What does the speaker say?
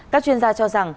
các chuyên gia cho rằng